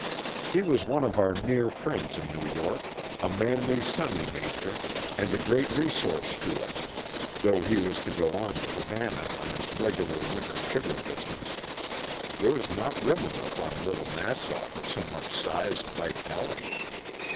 He was one of our near friends in New York, a manly sunny nature, and a great resource to us ; though he was to go on to Havana on his regular winter sugar business there was not room enough on little Nassau for so much size and vitality.